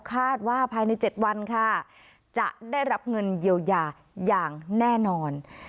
คาดว่าภายใน๗วันค่ะจะได้รับเงินเยียวยาอย่างแน่นอน